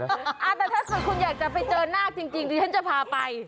แต่ถ้าคุณอยากจะไปเจอหน้าจริงที่ฉันจะพาไป